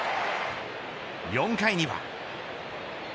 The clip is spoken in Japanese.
４回には。